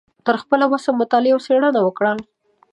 تر خپله وسه مطالعه او څیړنه وکړه